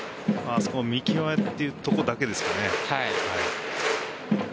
あそこの見極めというところだけですかね。